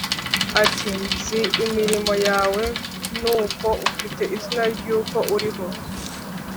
ati ‘Nzi imirimo yawe n’uko ufite izina ry’uko uriho,